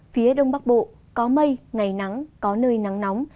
phía đông bắc bộ có mây ngày nắng có nơi nắng nóng